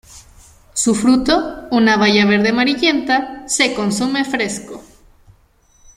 Su fruto, una baya verde-amarillenta, se consume fresco.